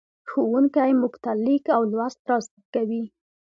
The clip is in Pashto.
ښوونکی موږ ته لیک او لوست را زدهکوي.